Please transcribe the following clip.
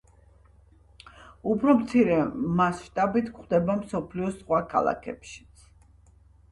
უფრო მცირე მასშტაბით გვხვდება მსოფლიოს სხვა ქალაქებშიც.